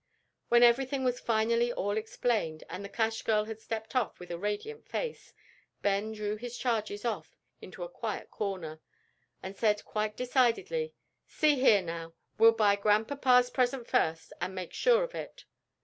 When everything was finally all explained, and the cash girl had stepped off with a radiant face, Ben drew his charges off into a quiet corner, and said quite decidedly, "See here, now, we'll buy Grandpapa's present first, and make sure of it."